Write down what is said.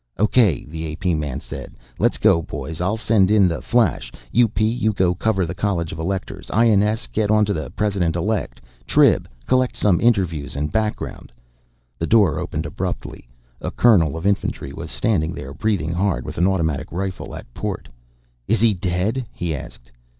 "O.K.," the A.P. man said. "Let's go, boys. I'll send in the flash. U.P., you go cover the College of Electors. I.N.S., get onto the President Elect. Trib, collect some interviews and background " The door opened abruptly; a colonel of infantry was standing there, breathing hard, with an automatic rifle at port. "Is he dead?" he asked.